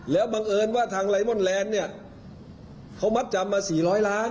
แล้วบังเอิญว่าทางไลมอนแลนด์เนี่ยเขามัดจำมา๔๐๐ล้าน